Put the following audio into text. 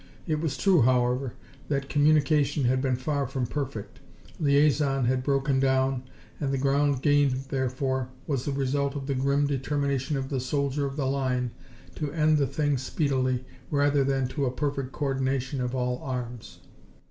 It was true, however, that communication had been far from perfect. Liaison had broken down, and the ground gained, therefore, was the result of the grim determination of the soldier of the line to end the thing speedily rather than to a perfect coordination of all arms.